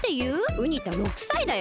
ウニ太６さいだよ。